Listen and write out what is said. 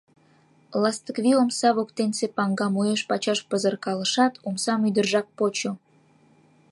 Ластыквий омса воктенсе паҥгам уэш-пачаш пызыркалышат, омсам ӱдыржак почо.